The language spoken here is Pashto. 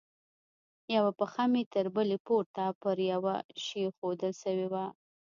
يوه پښه مې تر بلې پورته پر يوه شي ايښوول سوې وه.